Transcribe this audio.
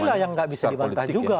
ini lah yang nggak bisa dibantah juga